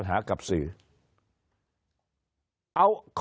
คนในวงการสื่อ๓๐องค์กร